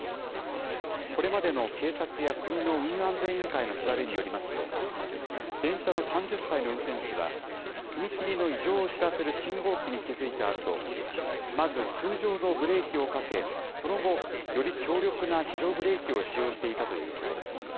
これまでの警察や国の運輸安全委員会の調べによりますと、電車の３０歳の運転士は、踏切の異常を知らせる信号機に気付いたあと、まず通常のブレーキをかけ、その後、より強力な非常ブレーキを使用していたということです。